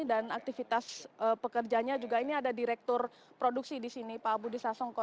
dan aktivitas pekerjanya juga ini ada direktur produksi di sini pak budi sasongko